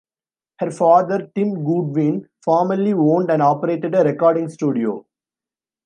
Her father, Tim Goodwin, formerly owned and operated a recording studio.